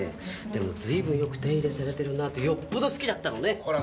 でもずいぶんよく手入れされてるよっぽど好きだったのねこら